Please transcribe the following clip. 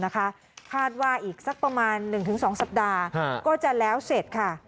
คาดว่าอีกสักประมาณ๑๒สัปดาห์ก็จะแล้วเสร็จค่ะ